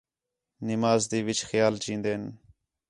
نماز تے وِچ خیال چِین٘دین